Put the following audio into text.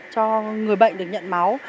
cho người bệnh được nhận máu